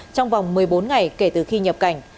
trong vòng một mươi bốn ngày kể từ khi nhập cảnh